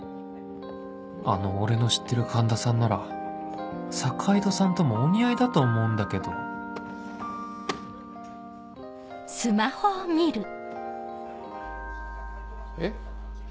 あの俺の知ってる環田さんなら坂井戸さんともお似合いだと思うんだけどえ？